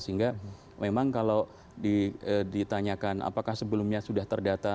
sehingga memang kalau ditanyakan apakah sebelumnya sudah terdata